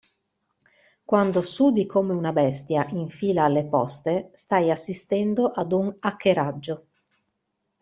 Quando sudi come una bestia in fila alle poste, stai assistendo a un hackeraggio.